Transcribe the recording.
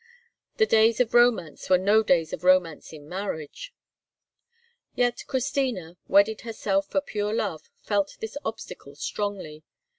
The days of romance were no days of romance in marriage. Yet Christina, wedded herself for pure love, felt this obstacle strongly.